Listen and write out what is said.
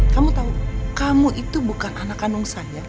kamu tahu kamu itu bukan anak kandung saya